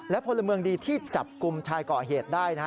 พลเมืองดีที่จับกลุ่มชายเกาะเหตุได้นะฮะ